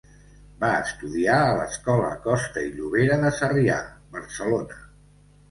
Va estudiar a l’escola Costa i Llobera de Sarrià, Barcelona.